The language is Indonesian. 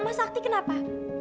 mas sakti kenapa